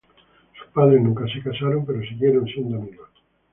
Sus padres nunca se casaron pero siguieron siendo amigos.